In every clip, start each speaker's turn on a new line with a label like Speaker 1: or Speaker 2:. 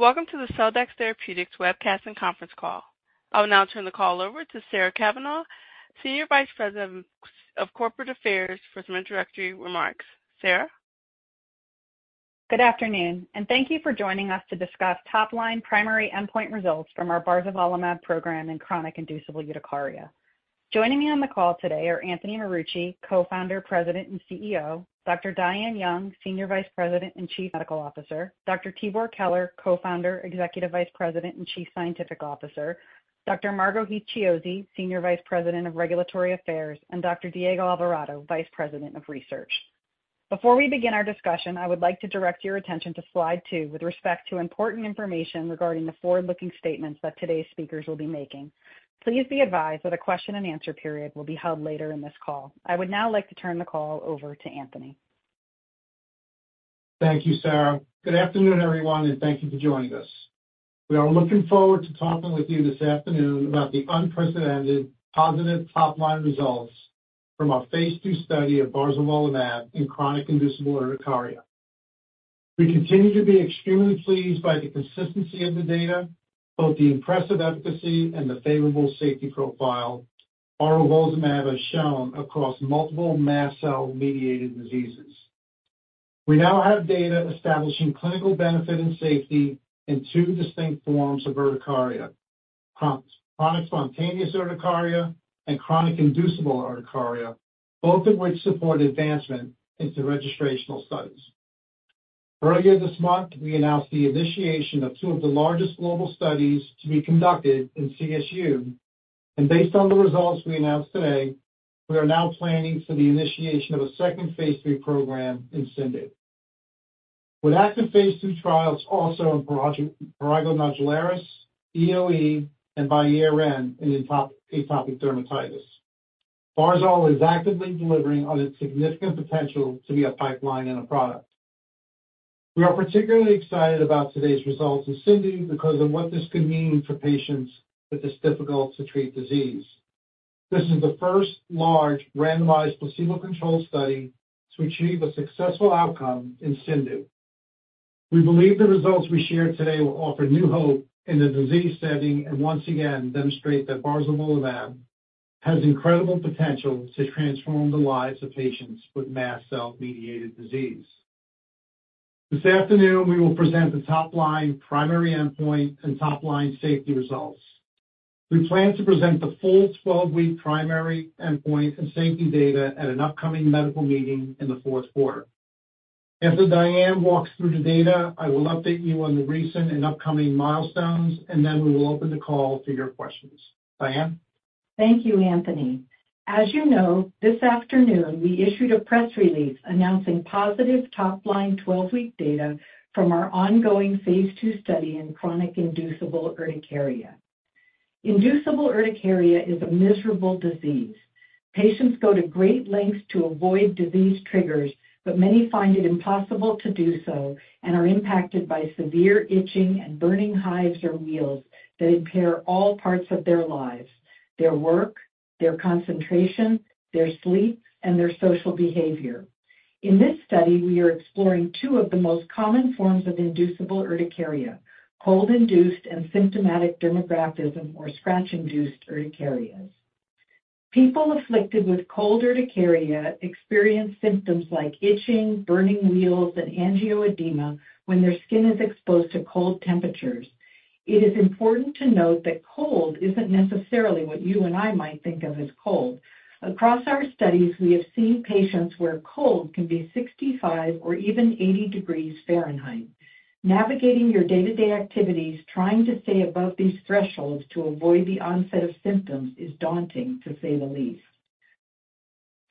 Speaker 1: Welcome to the Celldex Therapeutics webcast and conference call. I'll now turn the call over to Sarah Cavanaugh, Senior Vice President of Corporate Affairs, for some introductory remarks. Sarah?
Speaker 2: Good afternoon, and thank you for joining us to discuss top line primary endpoint results from our Barzolvolimab program in chronic inducible urticaria. Joining me on the call today are Anthony Marucci, Co-founder, President, and CEO; Dr. Diane Young, Senior Vice President and Chief Medical Officer; Dr. Tibor Keler, Co-founder, Executive Vice President, and Chief Scientific Officer; Dr. Margo Heath-Chiozzi, Senior Vice President of Regulatory Affairs; and Dr. Diego Alvarado, Vice President of Research. Before we begin our discussion, I would like to direct your attention to slide two with respect to important information regarding the forward-looking statements that today's speakers will be making. Please be advised that a question and answer period will be held later in this call. I would now like to turn the call over to Anthony.
Speaker 3: Thank you, Sarah. Good afternoon, everyone, and thank you for joining us. We are looking forward to talking with you this afternoon about the unprecedented positive top-line results from our phase ll study of Barzolvolimab in chronic inducible urticaria. We continue to be extremely pleased by the consistency of the data, both the impressive efficacy and the favorable safety profile Barzolvolimab has shown across multiple mast cell-mediated diseases. We now have data establishing clinical benefit and safety in two distinct forms of urticaria, chronic spontaneous urticaria and chronic inducible urticaria, both of which support advancement into registrational studies. Earlier this month, we announced the initiation of two of the largest global studies to be conducted in CSU, and based on the results we announced today, we are now planning for the initiation of a second phase lll program in CIndU. With active phase ll trials, also in prurigo nodularis, EoE, and by year end in atopic dermatitis. Barzol is actively delivering on its significant potential to be a pipeline and a product. We are particularly excited about today's results in CIndU because of what this could mean for patients with this difficult-to-treat disease. This is the first large, randomized, placebo-controlled study to achieve a successful outcome in CIndU. We believe the results we shared today will offer new hope in the disease setting and once again demonstrate that Barzolvolimab has incredible potential to transform the lives of patients with mast cell-mediated disease. This afternoon, we will present the top-line primary endpoint and top-line safety results. We plan to present the full 12-week primary endpoint and safety data at an upcoming medical meeting in the fourth quarter. After Diane walks through the data, I will update you on the recent and upcoming milestones, and then we will open the call to your questions. Diane?
Speaker 4: Thank you, Anthony. As you know, this afternoon we issued a press release announcing positive top-line 12-week data from our ongoing phase ll study in chronic inducible urticaria. Inducible urticaria is a miserable disease. Patients go to great lengths to avoid disease triggers, but many find it impossible to do so and are impacted by severe itching and burning hives or wheals that impair all parts of their lives, their work, their concentration, their sleep, and their social behavior. In this study, we are exploring two of the most common forms of inducible urticaria, cold-induced and symptomatic dermatographism, or scratch-induced urticarias. People afflicted with cold urticaria experience symptoms like itching, burning wheals, and angioedema when their skin is exposed to cold temperatures. It is important to note that cold isn't necessarily what you and I might think of as cold. Across our studies, we have seen patients where cold can be 65 or even 80 degrees Fahrenheit. Navigating your day-to-day activities, trying to stay above these thresholds to avoid the onset of symptoms is daunting, to say the least.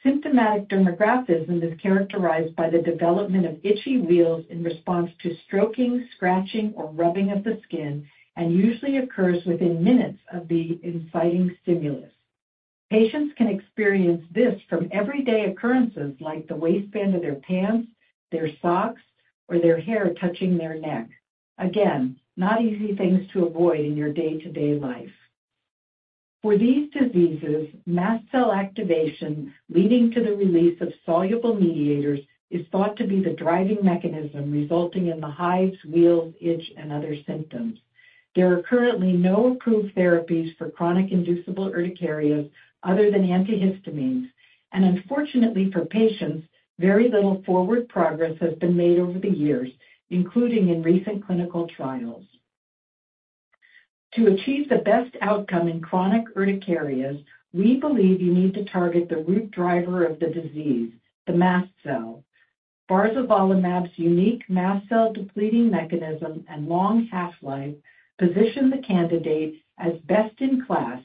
Speaker 4: Symptomatic dermatographism is characterized by the development of itchy wheals in response to stroking, scratching, or rubbing of the skin and usually occurs within minutes of the inciting stimulus. Patients can experience this from everyday occurrences like the waistband of their pants, their socks, or their hair touching their neck. Again, not easy things to avoid in your day-to-day life. For these diseases, mast cell activation, leading to the release of soluble mediators, is thought to be the driving mechanism resulting in the hives, wheals, itch, and other symptoms. There are currently no approved therapies for chronic inducible urticarias other than antihistamines, and unfortunately for patients, very little forward progress has been made over the years, including in recent clinical trials. To achieve the best outcome in chronic urticarias, we believe you need to target the root driver of the disease, the mast cell. Barzolvolimab's unique mast cell-depleting mechanism and long half-life position the candidate as best-in-class,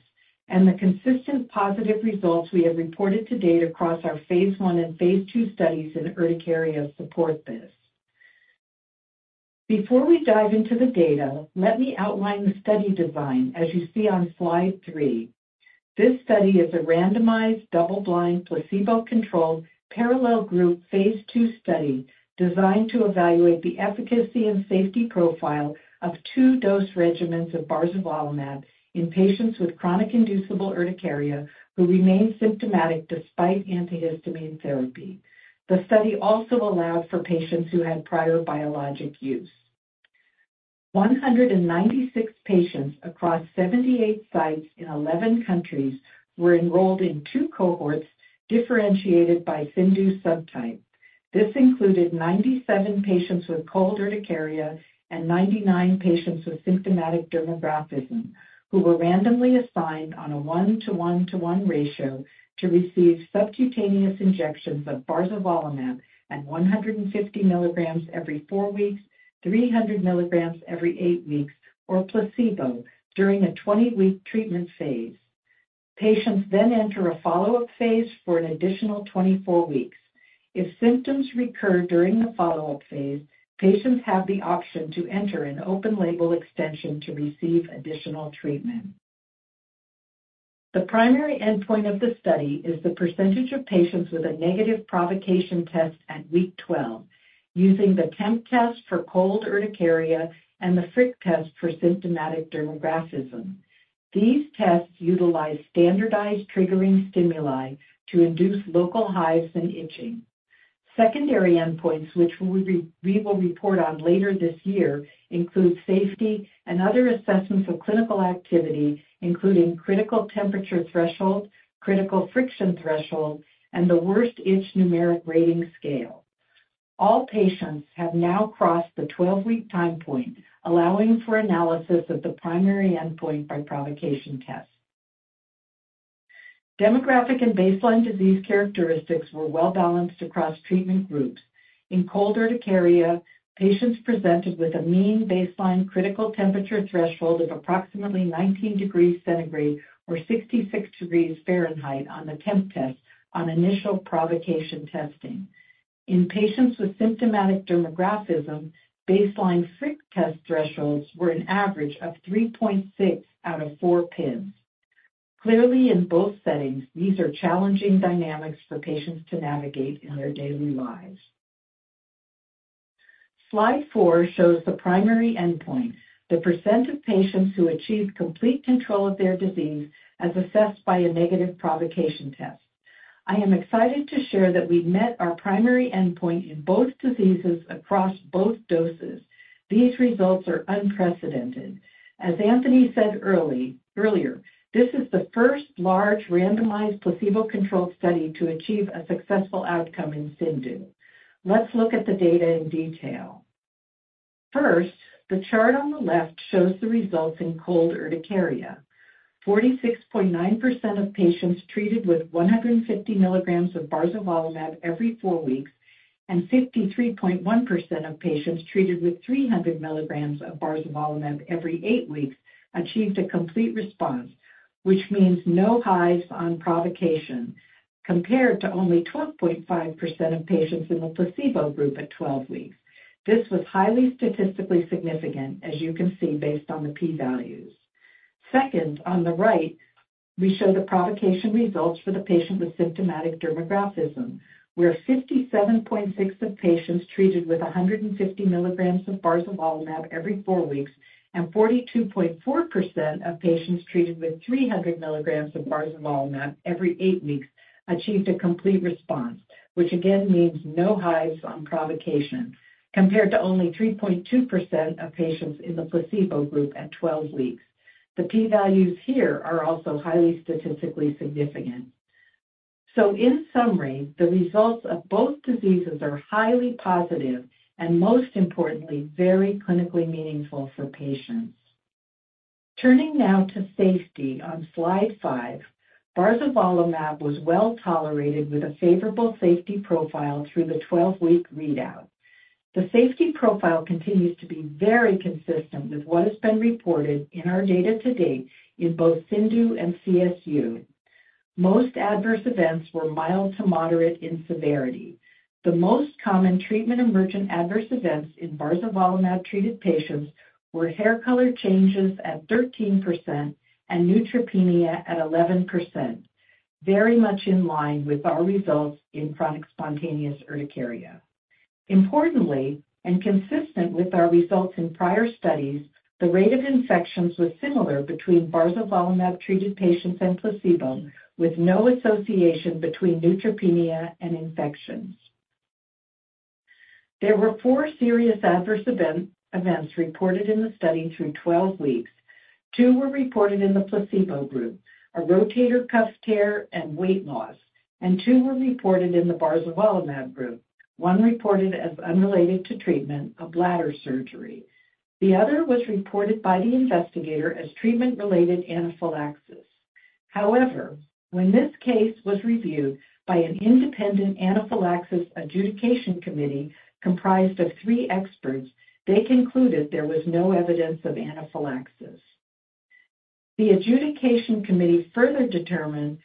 Speaker 4: and the consistent positive results we have reported to date across our phase l and phase ll studies in urticaria support this. Before we dive into the data, let me outline the study design as you see on slide three. This study is a randomized, double-blind, placebo-controlled, parallel group, phase ll study designed to evaluate the efficacy and safety profile of two dose regimens of Barzolvolimab in patients with chronic inducible urticaria who remain symptomatic despite antihistamine therapy. The study also allowed for patients who had prior biologic use. 196 patients across 78 sites in 11 countries were enrolled in two cohorts differentiated by CIndU subtype. This included 97 patients with cold urticaria and 99 patients with symptomatic dermatographism, who were randomly assigned on a 1:1:1 ratio to receive subcutaneous injections of barzolvolimab at 150 mg every 4 weeks, 300 mg every 8 weeks, or placebo during a 20-week treatment phase. Patients then enter a follow-up phase for an additional 24 weeks. If symptoms recur during the follow-up phase, patients have the option to enter an open-label extension to receive additional treatment. The primary endpoint of the study is the percentage of patients with a negative provocation test at week 12, using the Temp Test for cold urticaria and the Frick Test for symptomatic dermatographism. These tests utilize standardized triggering stimuli to induce local hives and itching. Secondary endpoints, which we will report on later this year, include safety and other assessments of clinical activity, including critical temperature threshold, critical friction threshold, and the Worst Itch Numeric Rating Scale. All patients have now crossed the 12-week time point, allowing for analysis of the primary endpoint by provocation test. Demographic and baseline disease characteristics were well-balanced across treatment groups. In cold urticaria, patients presented with a mean baseline critical temperature threshold of approximately 19 degrees centigrade or 66 degrees Fahrenheit on the Temp Test on initial provocation testing. In patients with symptomatic dermatographism, baseline Frick Test thresholds were an average of 3.6 out of four pins. Clearly, in both settings, these are challenging dynamics for patients to navigate in their daily lives. Slide 4 shows the primary endpoint, the percent of patients who achieved complete control of their disease as assessed by a negative provocation test. I am excited to share that we've met our primary endpoint in both diseases across both doses. These results are unprecedented. As Anthony said early, earlier, this is the first large randomized placebo-controlled study to achieve a successful outcome in CIndU. Let's look at the data in detail. First, the chart on the left shows the results in cold urticaria. 46.9% of patients treated with 150 milligrams of barzolvolimab every 4 weeks, and 53.1% of patients treated with 300 milligrams of barzolvolimab every 8 weeks, achieved a complete response, which means no hives on provocation, compared to only 12.5% of patients in the placebo group at 12 weeks. This was highly statistically significant, as you can see, based on the p-values. Second, on the right, we show the provocation results for the patient with symptomatic dermatographism, where 57.6% of patients treated with 150 milligrams of Barzolvolimab every four weeks and 42.4% of patients treated with 300 milligrams of Barzolvolimab every eight weeks achieved a complete response, which again means no hives on provocation, compared to only 3.2% of patients in the placebo group at 12 weeks. The p-values here are also highly statistically significant. So in summary, the results of both diseases are highly positive and most importantly, very clinically meaningful for patients. Turning now to safety on slide five, Barzolvolimab was well-tolerated with a favorable safety profile through the 12-week readout. The safety profile continues to be very consistent with what has been reported in our data to date in both CIndU and CSU. Most adverse events were mild to moderate in severity. The most common treatment-emergent adverse events in Barzolvolimab-treated patients were hair color changes at 13% and neutropenia at 11%, very much in line with our results in chronic spontaneous urticaria. Importantly, and consistent with our results in prior studies, the rate of infections was similar between Barzolvolimab-treated patients and placebo, with no association between neutropenia and infections. There were four serious adverse events reported in the study through 12 weeks. Two were reported in the placebo group, a rotator cuff tear and weight loss, and two were reported in the Barzolvolimab group. One reported as unrelated to treatment, a bladder surgery. The other was reported by the investigator as treatment-related anaphylaxis. However, when this case was reviewed by an independent anaphylaxis adjudication committee comprised of three experts, they concluded there was no evidence of anaphylaxis. The adjudication committee further determined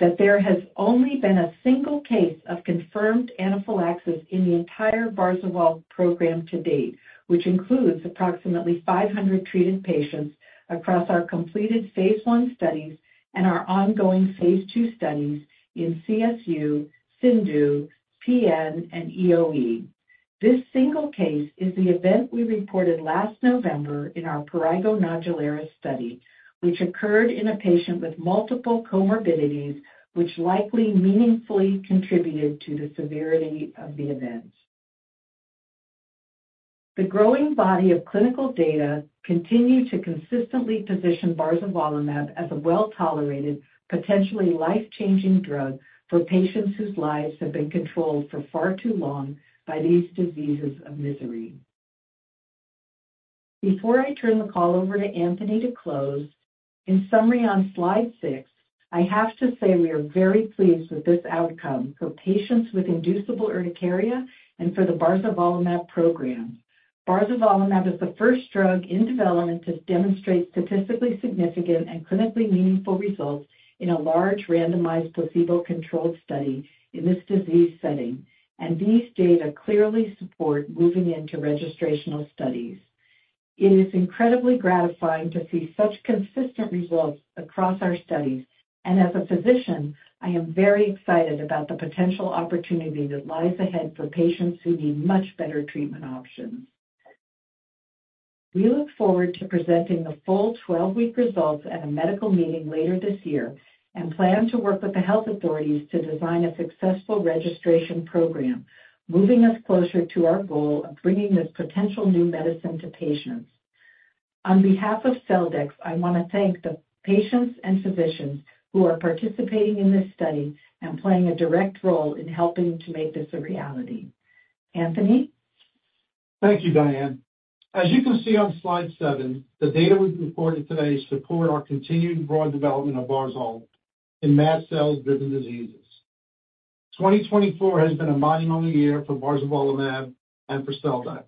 Speaker 4: that there has only been a single case of confirmed anaphylaxis in the entire Barzolvolimab program to date, which includes approximately 500 treated patients across our completed phase 1 studies and our ongoing phase ll studies in CSU, CIndU, PN, and EoE. This single case is the event we reported last November in our prurigo nodularis study, which occurred in a patient with multiple comorbidities, which likely meaningfully contributed to the severity of the event. The growing body of clinical data continue to consistently position Barzolvolimab as a well-tolerated, potentially life-changing drug for patients whose lives have been controlled for far too long by these diseases of misery. Before I turn the call over to Anthony to close, in summary, on slide six, I have to say we are very pleased with this outcome for patients with inducible urticaria and for the Barzolvolimab program. Barzolvolimab is the first drug in development to demonstrate statistically significant and clinically meaningful results in a large, randomized, placebo-controlled study in this disease setting, and these data clearly support moving into registrational studies. It is incredibly gratifying to see such consistent results across our studies, and as a physician, I am very excited about the potential opportunity that lies ahead for patients who need much better treatment options. We look forward to presenting the full 12-week results at a medical meeting later this year and plan to work with the health authorities to design a successful registration program, moving us closer to our goal of bringing this potential new medicine to patients. On behalf of Celldex, I want to thank the patients and physicians who are participating in this study and playing a direct role in helping to make this a reality. Anthony?
Speaker 3: Thank you, Diane. As you can see on slide seven, the data we've reported today support our continued broad development of barzol in mast cell-driven diseases. 2024 has been a monumental year for Barzolvolimab and for Celldex.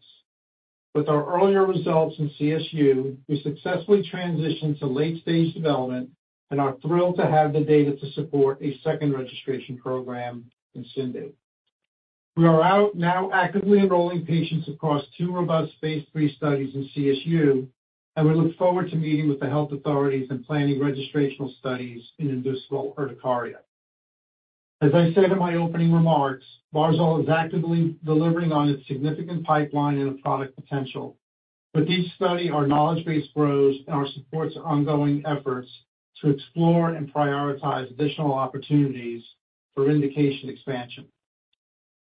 Speaker 3: With our earlier results in CSU, we successfully transitioned to late-stage development and are thrilled to have the data to support a second registration program in CIndU. We are now actively enrolling patients across two robust phase lll studies in CSU, and we look forward to meeting with the health authorities and planning registrational studies in inducible urticaria. As I said in my opening remarks, barzol is actively delivering on its significant pipeline and the product potential. With each study, our knowledge base grows and it supports ongoing efforts to explore and prioritize additional opportunities for indication expansion.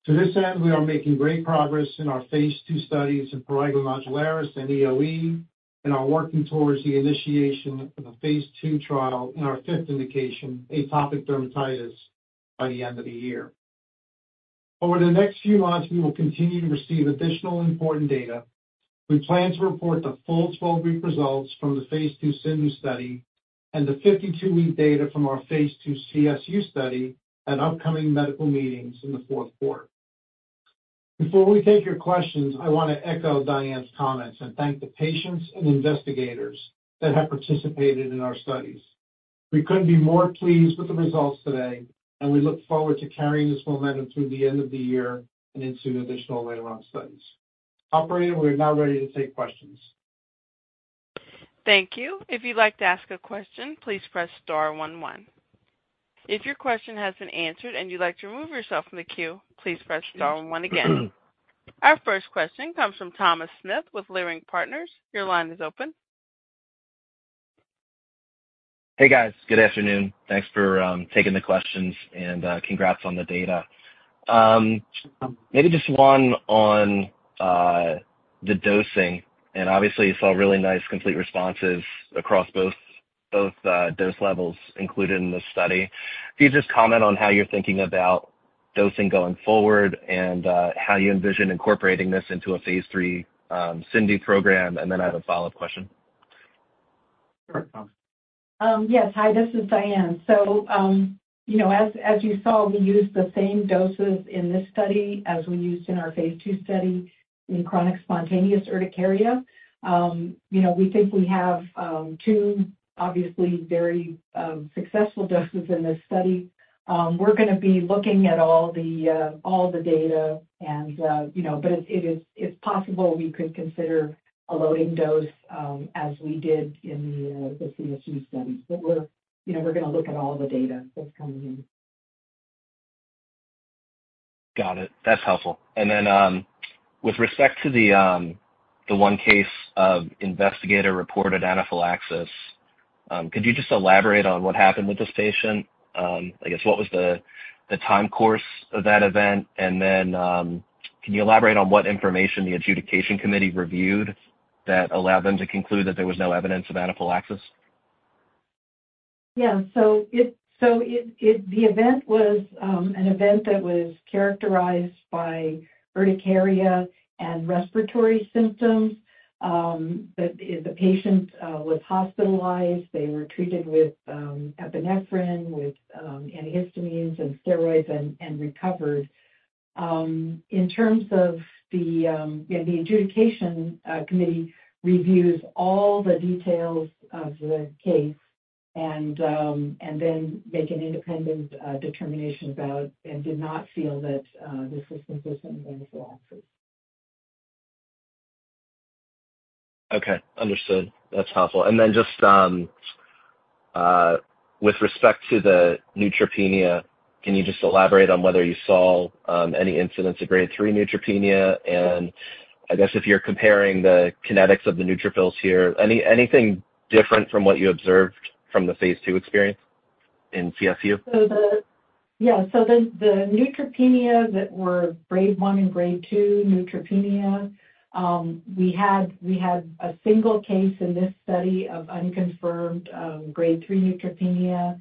Speaker 3: To this end, we are making great progress in our phase ll studies in Prurigo Nodularis and EoE, and are working towards the initiation of a phase ll trial in our 5th indication, Atopic Dermatitis, by the end of the year. Over the next few months, we will continue to receive additional important data. We plan to report the full 12-week results from the Phase 2 ClndU study and the 52-week data from our phase ll CSU study at upcoming medical meetings in the fourth quarter. Before we take your questions, I want to echo Diane's comments and thank the patients and investigators that have participated in our studies. We couldn't be more pleased with the results today, and we look forward to carrying this momentum through the end of the year and into additional later on studies. Operator, we're now ready to take questions.
Speaker 1: Thank you. If you'd like to ask a question, please press star one, one. If your question has been answered and you'd like to remove yourself from the queue, please press star one again. Our first question comes from Thomas Smith with Leerink Partners. Your line is open.
Speaker 5: Hey, guys. Good afternoon. Thanks for taking the questions, and congrats on the data. Maybe just one on the dosing, and obviously, you saw really nice, complete responses across both dose levels included in this study. Could you just comment on how you're thinking about dosing going forward and how you envision incorporating this into a Phase 3 CIndU program? And then I have a follow-up question.
Speaker 3: Sure, Thomas.
Speaker 4: Yes. Hi, this is Diane. So, you know, as you saw, we used the same doses in this study as we used in our phase ll study in chronic spontaneous urticaria. You know, we think we have two obviously very successful doses in this study. We're gonna be looking at all the data, and you know, but it is- it's possible we could consider a loading dose, as we did in the CSU study. But we're, you know, we're gonna look at all the data that's coming in.
Speaker 5: Got it. That's helpful. And then, with respect to the one case of investigator-reported anaphylaxis, could you just elaborate on what happened with this patient? I guess, what was the time course of that event? And then, can you elaborate on what information the adjudication committee reviewed that allowed them to conclude that there was no evidence of anaphylaxis?
Speaker 4: Yeah. So it, the event was an event that was characterized by urticaria and respiratory symptoms. The patient was hospitalized. They were treated with epinephrine, with antihistamines and steroids, and recovered. In terms of the, yeah, the adjudication committee reviews all the details of the case and then make an independent determination about and did not feel that this was a case of anaphylaxis.
Speaker 5: Okay, understood. That's helpful. And then just with respect to the neutropenia, can you just elaborate on whether you saw any incidents of Grade three neutropenia? And I guess if you're comparing the kinetics of the neutrophils here, anything different from what you observed from the phase two experience?... in CSU?
Speaker 4: So the neutropenia that were grade one and grade two neutropenia, we had a single case in this study of unconfirmed grade three neutropenia.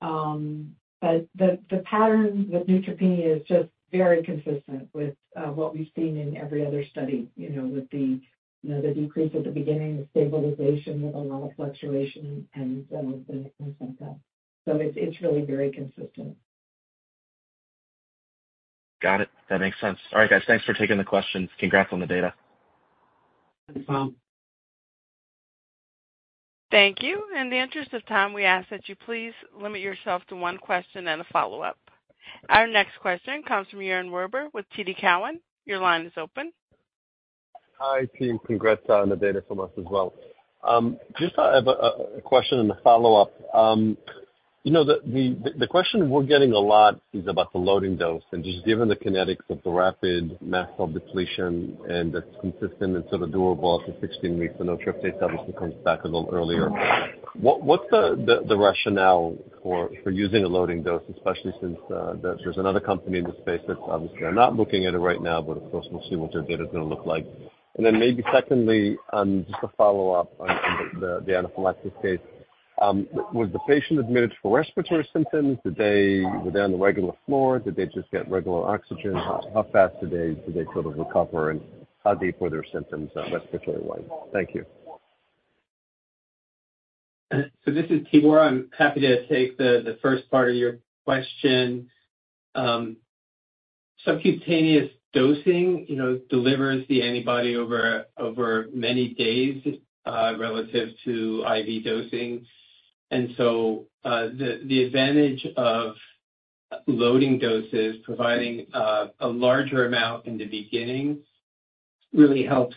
Speaker 4: But the pattern with neutropenia is just very consistent with what we've seen in every other study, you know, with the decrease at the beginning, the stabilization with a lot of fluctuation and things like that. So it's really very consistent.
Speaker 5: Got it. That makes sense. All right, guys, thanks for taking the questions. Congrats on the data.
Speaker 4: Thanks, Tom.
Speaker 1: Thank you. In the interest of time, we ask that you please limit yourself to one question and a follow-up. Our next question comes from Yaron Werber with TD Cowen. Your line is open.
Speaker 6: Hi, team. Congrats on the data from us as well. Just a question and a follow-up. You know, the question we're getting a lot is about the loading dose, and just given the kinetics of the rapid mast cell depletion and that's consistent and sort of durable up to 16 weeks, the neutropenia obviously comes back a little earlier. What's the rationale for using a loading dose, especially since there's another company in the space that's obviously not looking at it right now, but of course, we'll see what their data is gonna look like? And then maybe secondly, just a follow-up on the anaphylaxis case. Was the patient admitted for respiratory symptoms? Were they on the regular floor? Did they just get regular oxygen? How fast did they sort of recover, and how deep were their symptoms respiratory-wise? Thank you.
Speaker 7: So this is Tibor. I'm happy to take the first part of your question. Subcutaneous dosing, you know, delivers the antibody over many days relative to IV dosing. And so, the advantage of loading doses, providing a larger amount in the beginning, really helps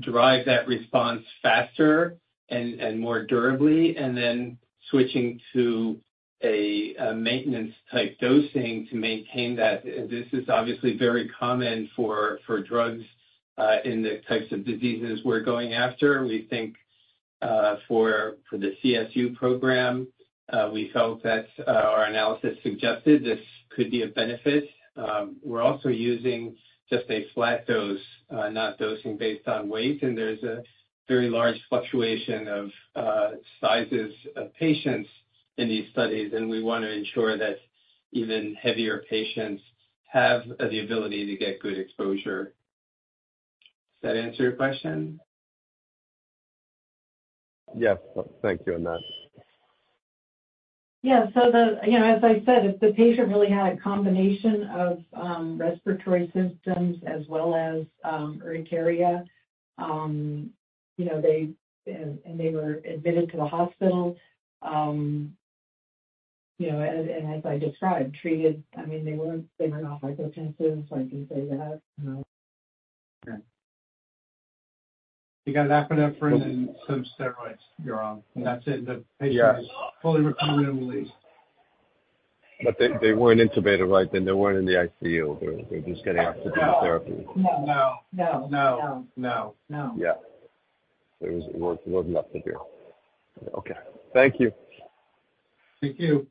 Speaker 7: drive that response faster and more durably, and then switching to a maintenance-type dosing to maintain that. This is obviously very common for drugs in the types of diseases we're going after. We think for the CSU program, we felt that our analysis suggested this could be of benefit. We're also using just a flat dose, not dosing based on weight, and there's a very large fluctuation of sizes of patients in these studies, and we wanna ensure that even heavier patients have the ability to get good exposure. Does that answer your question?
Speaker 6: Yes. Thank you on that.
Speaker 4: Yeah, so the... You know, as I said, the patient really had a combination of respiratory symptoms as well as urticaria. You know, and, and they were admitted to the hospital. You know, and, and as I described, treated. I mean, they weren't, they weren't all hypertensive, so I can say that, you know?
Speaker 6: Okay.
Speaker 7: He got epinephrine and some steroids, Yaron. That's it.
Speaker 6: Yes.
Speaker 7: The patient is fully recovered and released.
Speaker 6: But they weren't intubated, right? And they weren't in the ICU, they were just getting oxygen therapy?
Speaker 4: No, no.
Speaker 6: No, no, no.
Speaker 4: No.
Speaker 6: Yeah. It was, it was not severe. Okay. Thank you.
Speaker 7: Thank you.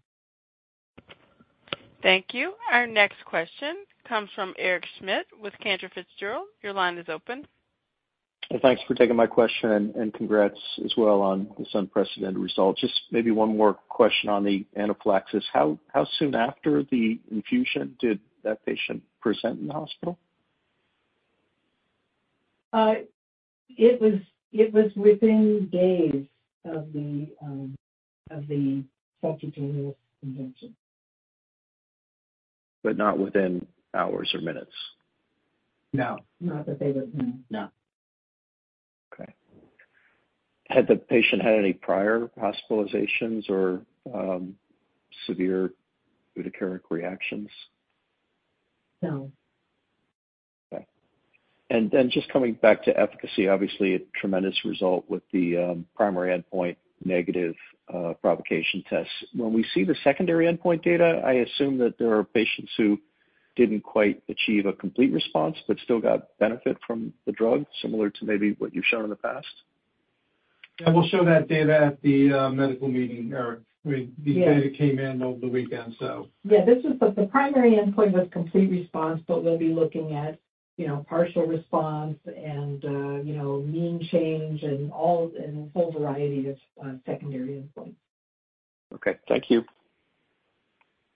Speaker 1: Thank you. Our next question comes from Eric Schmidt with Cantor Fitzgerald. Your line is open.
Speaker 8: Thanks for taking my question, and congrats as well on this unprecedented result. Just maybe one more question on the anaphylaxis. How soon after the infusion did that patient present in the hospital?
Speaker 4: It was within days of the subcutaneous infusion.
Speaker 8: But not within hours or minutes?
Speaker 4: No. Not that they would... No.
Speaker 8: Okay. Had the patient had any prior hospitalizations or severe urticarial reactions?
Speaker 4: No.
Speaker 8: Okay. And then just coming back to efficacy, obviously, a tremendous result with the primary endpoint negative provocation tests. When we see the secondary endpoint data, I assume that there are patients who didn't quite achieve a complete response but still got benefit from the drug, similar to maybe what you've shown in the past?
Speaker 7: Yeah, we'll show that data at the medical meeting, Eric. I mean-
Speaker 4: Yeah
Speaker 7: The data came in over the weekend, so.
Speaker 4: Yeah, this is the primary endpoint was complete response, but we'll be looking at, you know, partial response and, you know, mean change and all, and a whole variety of secondary endpoints.
Speaker 8: Okay. Thank you.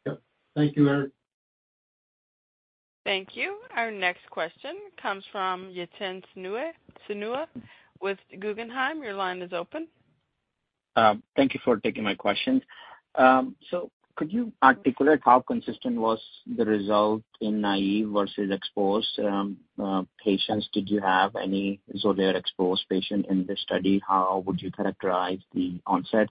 Speaker 7: Yep. Thank you, Eric.
Speaker 1: Thank you. Our next question comes from Yichen Suneja with Guggenheim. Your line is open.
Speaker 9: Thank you for taking my question. So could you articulate how consistent was the result in naive versus exposed patients? Did you have any Xolair-exposed patient in this study? How would you characterize the onset?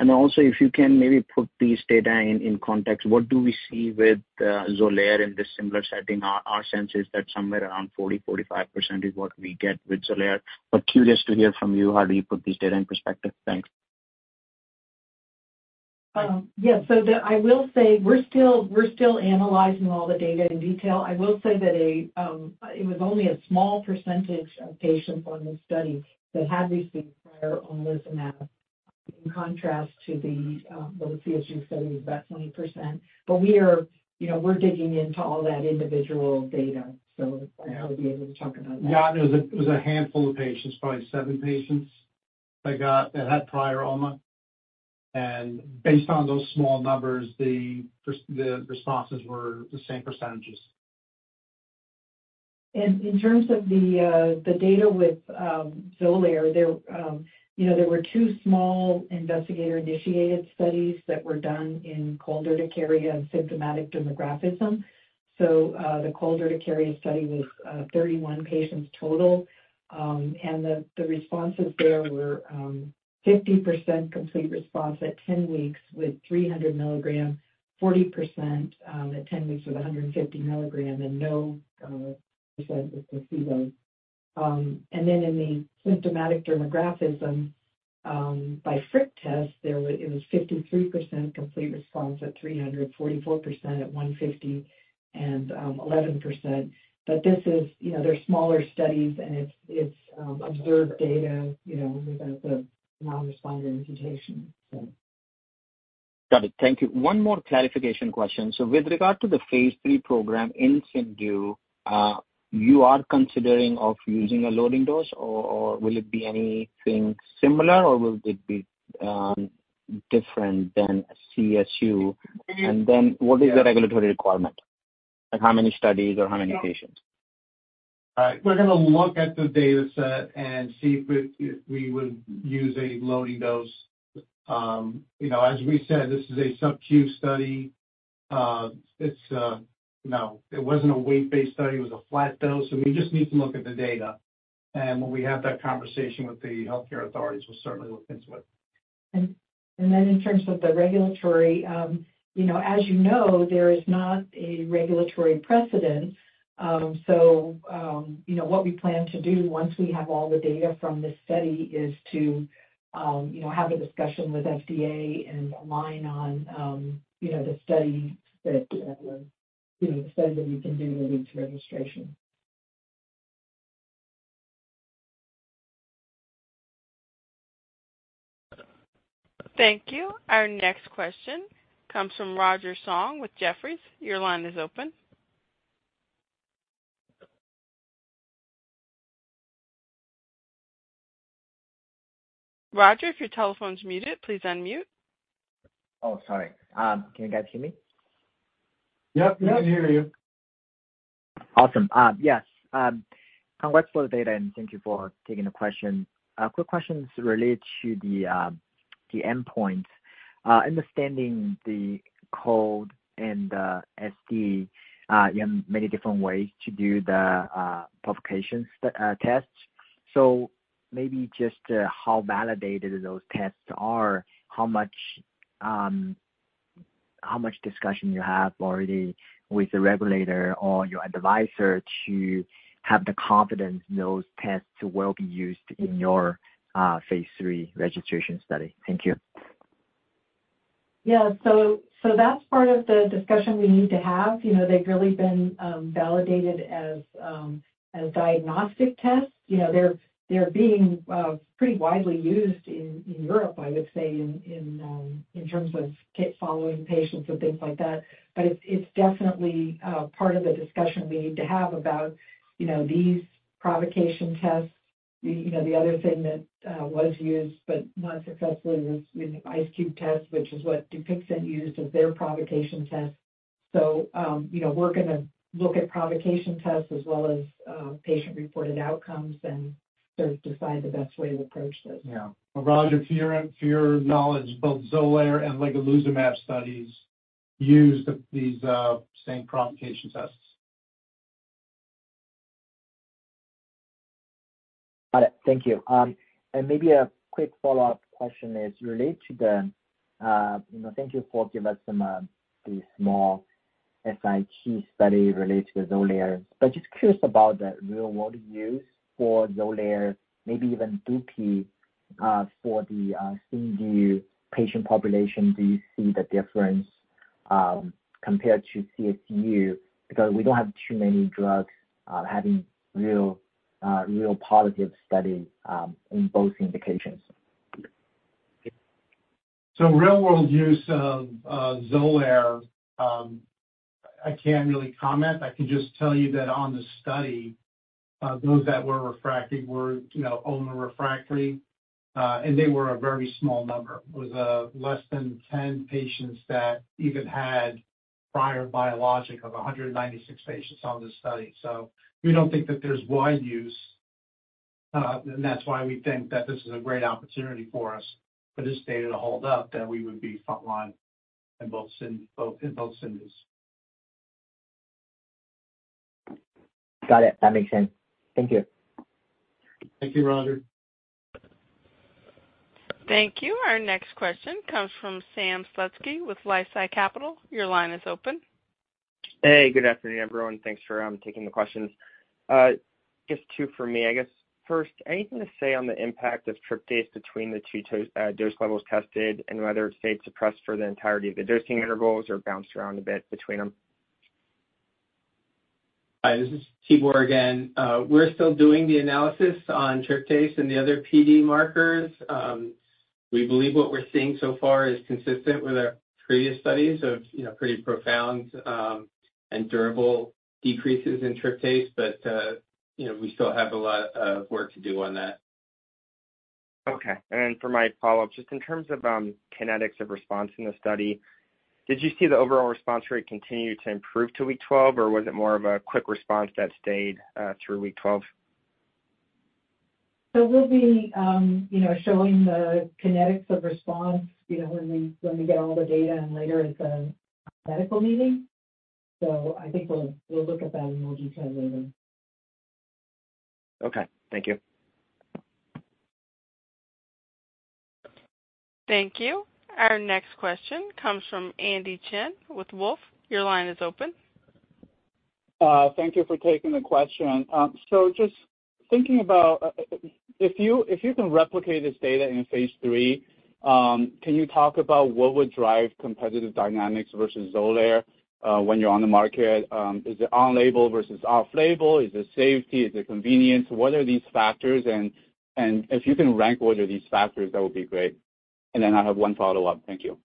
Speaker 9: And also, if you can maybe put these data in context, what do we see with Xolair in this similar setting? Our sense is that somewhere around 40%-45% is what we get with Xolair. But curious to hear from you, how do you put these data in perspective? Thanks.
Speaker 4: Yes. I will say we're still analyzing all the data in detail. I will say that it was only a small percentage of patients on this study that had received prior Omalizumab, in contrast to the CSU study, which was about 20%. But we are, you know, digging into all that individual data, so I'll be able to talk about that.
Speaker 3: Yeah, it was a handful of patients, probably seven patients, that had prior OMA. And based on those small numbers, the responses were the same percentages.
Speaker 4: In terms of the data with Xolair, you know, there were two small investigator-initiated studies that were done in cold urticaria and symptomatic dermatographism. So, the cold urticaria study was 31 patients total. And the responses there were 50% complete response at 10 weeks with 300 milligram, 40% at 10 weeks with 150 milligram, and 0% with placebo. And then in the symptomatic dermatographism, by Frick test, it was 53% complete response at 300, 44% at 150, and 11%. But this is, you know, they're smaller studies, and it's observed data, you know, without the non-responder indication, so.
Speaker 9: Got it. Thank you. One more clarification question. So with regard to the phase lll program in CIndU, you are considering of using a loading dose, or, or will it be anything similar, or will it be, different than CSU? And then what is the regulatory requirement? Like, how many studies or how many patients?
Speaker 3: We're gonna look at the data set and see if we would use a loading dose. You know, as we said, this is a sub-Q study. It's, you know, it wasn't a weight-based study. It was a flat dose, and we just need to look at the data. When we have that conversation with the healthcare authorities, we'll certainly look into it.
Speaker 4: And then in terms of the regulatory, you know, as you know, there is not a regulatory precedent. So, you know, what we plan to do once we have all the data from this study is to, you know, have a discussion with FDA and align on, you know, the study that we can do to lead to registration.
Speaker 1: Thank you. Our next question comes from Roger Song with Jefferies. Your line is open. Roger, if your telephone's muted, please unmute.
Speaker 10: Oh, sorry. Can you guys hear me?
Speaker 3: Yep, we can hear you.
Speaker 10: Awesome. Yes, congrats for the data, and thank you for taking the question. Quick questions related to the endpoints. Understanding the cold and SD in many different ways to do the provocation tests. So maybe just how validated those tests are, how much discussion you have already with the regulator or your advisor to have the confidence those tests will be used in your phase lll registration study? Thank you.
Speaker 4: Yeah. So that's part of the discussion we need to have. You know, they've really been validated as diagnostic tests. You know, they're being pretty widely used in terms of kit following patients and things like that. But it's definitely part of the discussion we need to have about, you know, these provocation tests. You know, the other thing that was used, but not successfully, was the ice cube test, which is what Dupixent used as their provocation test. So, you know, we're gonna look at provocation tests as well as patient-reported outcomes and sort of decide the best way to approach this.
Speaker 3: Yeah. Well, Roger, to your knowledge, both Xolair and ligelizumab studies used these same provocation tests.
Speaker 10: Got it. Thank you. And maybe a quick follow-up question is related to the, you know, thank you for giving us some, the small SIT study related to Xolair. But just curious about the real-world use for Xolair, maybe even Dupixent, for the, CIndU patient population. Do you see the difference, compared to CSU? Because we don't have too many drugs, having real, real positive study, in both indications.
Speaker 3: So real-world use of Xolair, I can't really comment. I can just tell you that on the study, those that were refractory were, you know, OMA refractory, and they were a very small number. It was less than 10 patients that even had prior biologic of 196 patients on this study. So we don't think that there's wide use, and that's why we think that this is a great opportunity for us, for this data to hold up, that we would be frontline in both CSUs.
Speaker 10: Got it. That makes sense. Thank you.
Speaker 3: Thank you, Roger.
Speaker 1: Thank you. Our next question comes from Sam Slutsky with LifeSci Capital. Your line is open.
Speaker 11: Hey, good afternoon, everyone. Thanks for taking the questions. Just two for me. I guess first, anything to say on the impact of tryptase between the two dose levels tested and whether it stayed suppressed for the entirety of the dosing intervals or bounced around a bit between them? ...
Speaker 7: Hi, this is Tibor again. We're still doing the analysis on tryptase and the other PD markers. We believe what we're seeing so far is consistent with our previous studies of, you know, pretty profound and durable decreases in tryptase, but, you know, we still have a lot of work to do on that.
Speaker 11: Okay. And then for my follow-up, just in terms of, kinetics of response in the study, did you see the overall response rate continue to improve to week 12, or was it more of a quick response that stayed, through week 12?
Speaker 4: So we'll be, you know, showing the kinetics of response, you know, when we get all the data, and later at the medical meeting. So I think we'll look at that in more detail later.
Speaker 11: Okay. Thank you.
Speaker 1: Thank you. Our next question comes from Andy Chen with Wolfe. Your line is open.
Speaker 12: Thank you for taking the question. So just thinking about, if you can replicate this data in phase lll, can you talk about what would drive competitive dynamics versus Xolair, when you're on the market? Is it on-label versus off-label? Is it safety? Is it convenience? What are these factors? And if you can rank order these factors, that would be great. And then I have one follow-up. Thank you.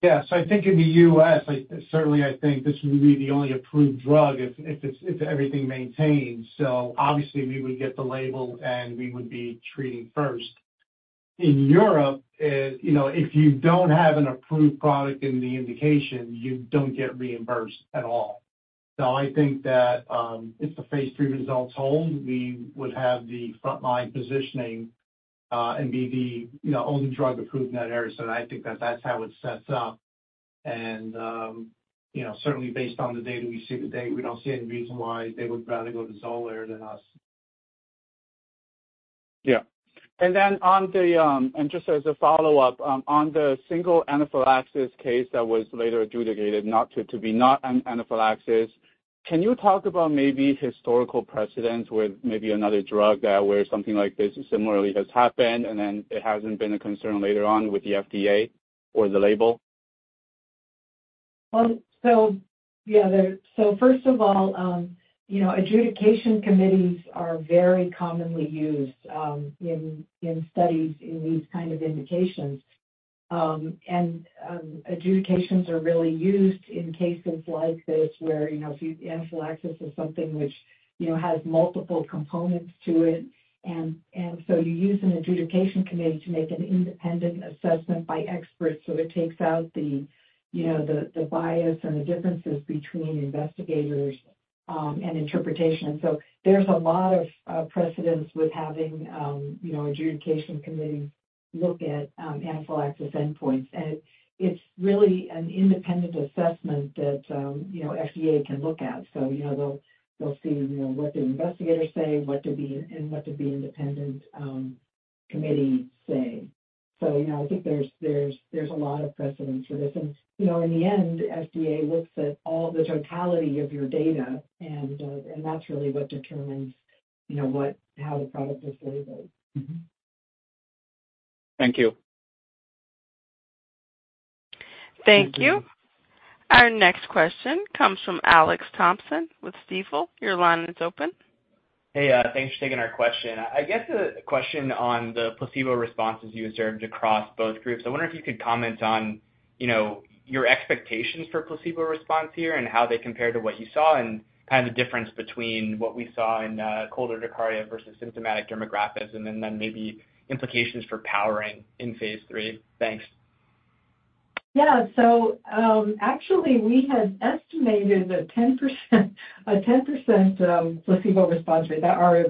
Speaker 3: Yeah. So I think in the U.S., I certainly think this would be the only approved drug if, if it's, if everything maintains. So obviously, we would get the label, and we would be treating first. In Europe, you know, if you don't have an approved product in the indication, you don't get reimbursed at all. So I think that, if the phase III results hold, we would have the frontline positioning, and be the, you know, only drug approved in that area. So I think that that's how it sets up. And, you know, certainly based on the data we see today, we don't see any reason why they would rather go to Xolair than us.
Speaker 12: Yeah. And just as a follow-up, on the single anaphylaxis case that was later adjudicated not to be not an anaphylaxis, can you talk about maybe historical precedents with maybe another drug that where something like this similarly has happened, and then it hasn't been a concern later on with the FDA or the label?
Speaker 4: Well, so yeah, so first of all, you know, adjudication committees are very commonly used, in, in studies in these kind of indications. And adjudications are really used in cases like this, where, you know, if anaphylaxis is something which, you know, has multiple components to it. And, and so you use an adjudication committee to make an independent assessment by experts, so it takes out the, you know, the, the bias and the differences between investigators, and interpretation. So there's a lot of precedents with having, you know, adjudication committees look at, anaphylaxis endpoints. And it's really an independent assessment that, you know, FDA can look at. So, you know, they'll, they'll see, you know, what the investigators say, and what the independent committee say. So, you know, I think there's a lot of precedent for this. You know, in the end, FDA looks at all the totality of your data, and that's really what determines, you know, what, how the product is labeled.
Speaker 12: Mm-hmm. Thank you.
Speaker 1: Thank you. Our next question comes from Alex Thompson with Stifel. Your line is open.
Speaker 13: Hey, thanks for taking our question. I guess a question on the placebo responses you observed across both groups. I wonder if you could comment on, you know, your expectations for placebo response here and how they compare to what you saw, and kind of the difference between what we saw in, cold urticaria versus symptomatic dermatographism, and then maybe implications for powering in phase lll. Thanks.
Speaker 4: Yeah. So, actually, we had estimated a 10%, a 10% placebo response rate. That our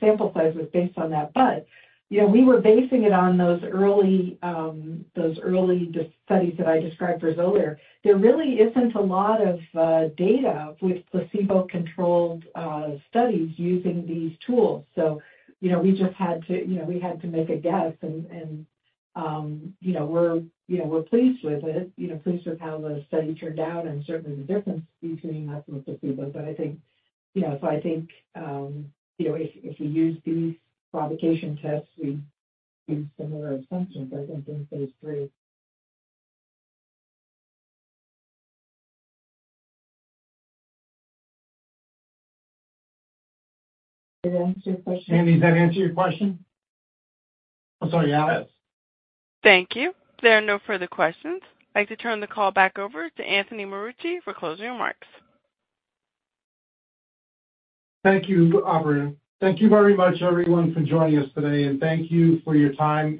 Speaker 4: sample size was based on that. But, you know, we were basing it on those early studies that I described for Xolair. There really isn't a lot of data with placebo-controlled studies using these tools. So, you know, we just had to make a guess, and, you know, we're pleased with it, you know, pleased with how the study turned out and certainly the difference between us and the placebo. But I think, you know, so I think, you know, if you use these provocation tests, we use similar assumptions, I think, in phase lll. Did that answer your question?
Speaker 3: Andy, did that answer your question? I'm sorry, Alex.
Speaker 1: Thank you. There are no further questions. I'd like to turn the call back over to Anthony Marucci for closing remarks.
Speaker 3: Thank you, operator. Thank you very much, everyone, for joining us today, and thank you for your time,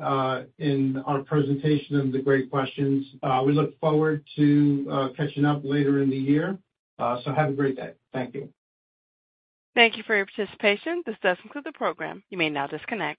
Speaker 3: in our presentation and the great questions. We look forward to catching up later in the year. So have a great day. Thank you.
Speaker 1: Thank you for your participation. This does conclude the program. You may now disconnect.